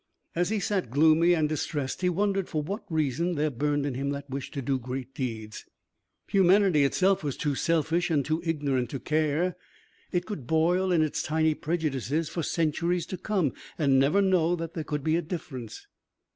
As he sat gloomy and distressed, he wondered for what reason there burned in him that wish to do great deeds. Humanity itself was too selfish and too ignorant to care. It could boil in its tiny prejudices for centuries to come and never know that there could be a difference.